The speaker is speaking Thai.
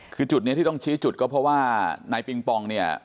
คือจุดนี้ที่ต้องชี้จุดก็เพราะว่านายปิงปองเนี่ย